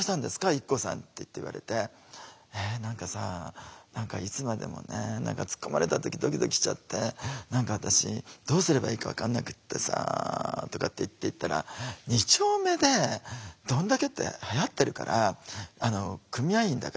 ＩＫＫＯさん」って言われて「え？何かさ何かいつまでもね何か突っ込まれた時ドキドキしちゃって何か私どうすればいいか分かんなくってさ」とかって言って言ったら「２丁目で『どんだけ』ってはやってるから組合員だから」。